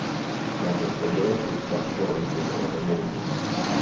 მას ეს წოდება თვით საღვთო რომის იმპერატორმა უბოძა.